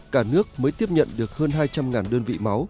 cả nước mới tiếp nhận được hơn hai trăm linh đơn vị máu